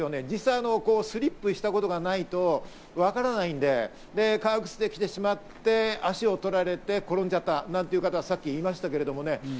実際スリップしたことがないとわからないんで、革靴できてしまって足を取られて転んじゃったなんていう方、さっきいましたけれどもね。